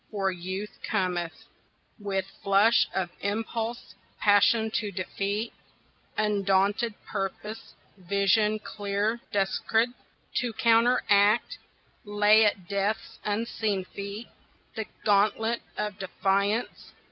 For Youth cometh With flush of impulse, passion to defeat, Undaunted purpose, vision clear descried, To counteract, lay at Death's unseen feet The gauntlet of defiance.